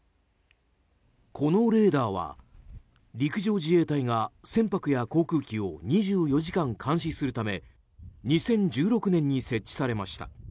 このレーダーは陸上自衛隊が船舶や航空機を２４時間監視するため２０１６年に設置されました。